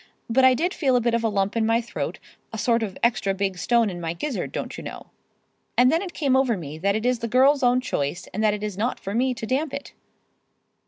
But I did feel a bit of a lump in my throat, a sort of extra big stone in my gizzard, don't you know. And then it came over me that it is the girl's own choice, and that it is not for me to damp it."